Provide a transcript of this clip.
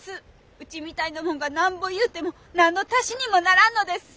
うちみたいな者がなんぼ言うても何の足しにもならんのです。